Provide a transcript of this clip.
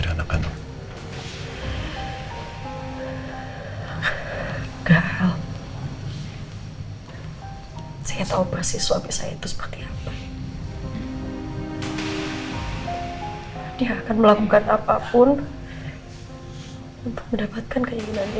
dia akan melakukan apapun untuk mendapatkan keinginannya